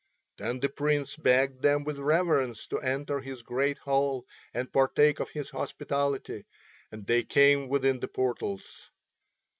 Then the Prince begged them with reverence to enter his great hall and partake of his hospitality, and they came within the portals.